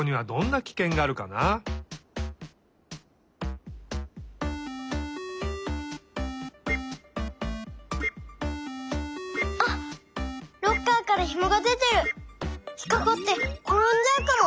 ひっかかってころんじゃうかも。